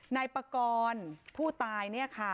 นายปกรณ์ผู้ตาย